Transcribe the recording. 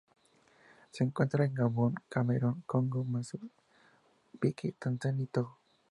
Se encuentra en Gabón, Camerún, Congo, Mozambique, Tanzania y Togo.